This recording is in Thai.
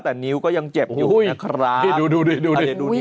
แต่นิ้วก็ยังเจ็บอยู่นะครับดูดูดูนิ้วดิ